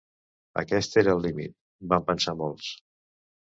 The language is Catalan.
Aquest era el límit, van pensar molts.